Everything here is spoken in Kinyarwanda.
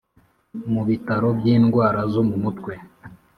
mu Bitaro by indwara zo mumutwe